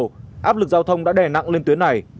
cảnh sát giao thông đã đè nặng lên tuyến này